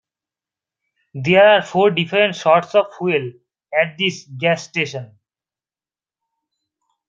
There are four different sorts of fuel at this gas station.